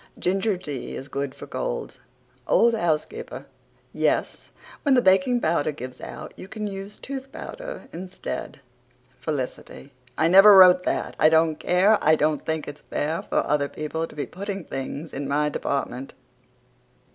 Ginger tea is good for colds. OLD HOUSEKEEPER: Yes, when the baking powder gives out you can use tooth powder instead. (FELICITY: "I never wrote that! I don't care, I don't think it's fair for other people to be putting things in my department!")